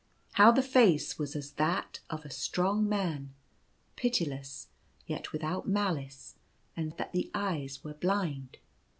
How the face was as that of a strong man, pitiless, yet without malice ; and that the eyes were blind.